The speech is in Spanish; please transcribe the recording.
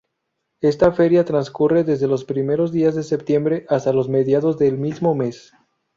Esta feria transcurre desde los primeros días de septiembre hasta mediados del mismo mes.